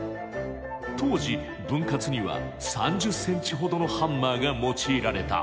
当時分割には３０ｃｍほどのハンマーが用いられた。